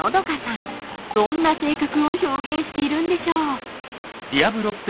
［どんな性格を表現しているんでしょう］